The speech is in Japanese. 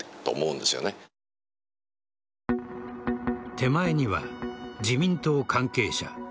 手前には自民党関係者。